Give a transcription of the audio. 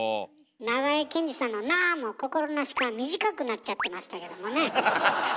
長江健次さんの「なっ！」も心なしか短くなっちゃってましたけどもね。